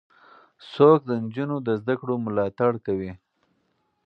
څوک د نجونو د زدهکړو ملاتړ کوي؟